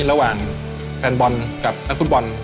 ระหว่างแฟนบอลกับนักฟุตบอล